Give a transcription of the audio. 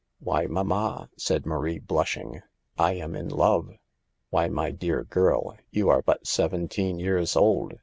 " "Why, mamma," said Marie, blushing, "1 am in love." « Why, my dear girl, you are but seventeen years old.